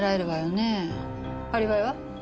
アリバイは？